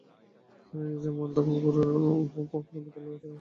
কেননা, নিজের মন তখন গুরুর বিদ্যমানতার অভাব আপনার ভিতর হইতে পুরাইয়া লয়।